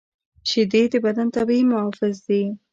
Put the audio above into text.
شیدې د بدن طبیعي محافظ دي